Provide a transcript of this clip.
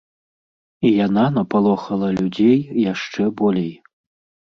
І яна напалохала людзей яшчэ болей.